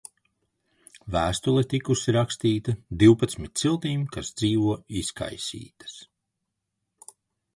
"Vēstule tikusi rakstīta "divpadsmit ciltīm, kas dzīvo izkaisītas"."